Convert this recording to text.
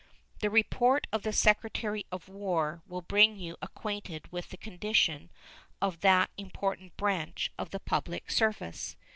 The report of the Secretary of War will bring you acquainted with the condition of that important branch of the public service.